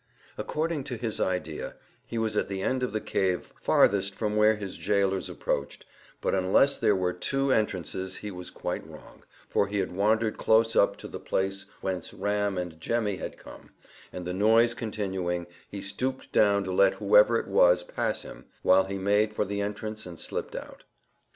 According to his idea, he was at the end of the cave farthest from where his gaolers approached, but unless there were two entrances he was quite wrong, for he had wandered close up to the place whence Ram and Jemmy had come, and, the noise continuing, he stooped down to let whoever it was pass him, while he made for the entrance and slipped out.